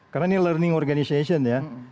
karena ini learning organization ya